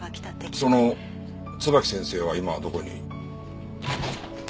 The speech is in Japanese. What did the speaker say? その椿木先生は今どこに？